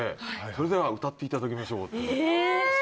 それでは歌っていただきましょうって。